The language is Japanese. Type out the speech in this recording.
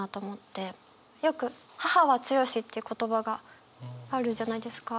よく「母は強し」って言う言葉があるじゃないですか。